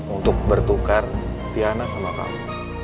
untuk bertukar tiana sama kamu